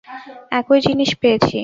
একই জিনিস পেয়েছি।